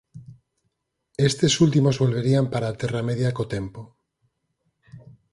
Estes últimos volverían para a Terra Media co tempo.